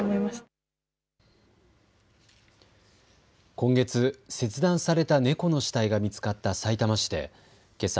今月、切断された猫の死体が見つかったさいたま市でけさ